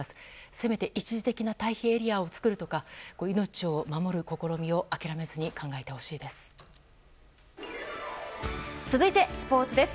せめて一時的な退避エリアを作るとか命を守る試みを諦めずに続いてスポーツです。